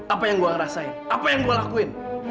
apa yang gua rasain apa yang gua lakuin